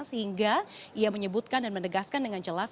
sehingga ia menyebutkan dan menegaskan dengan jelas